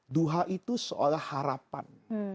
duha itu seolah harapan